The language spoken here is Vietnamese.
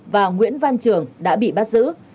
và nguyễn văn trường đã bị bắt giữ